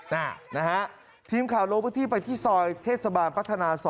นะฮะทีมข่าวลงพื้นที่ไปที่ซอยเทศบาลพัฒนา๒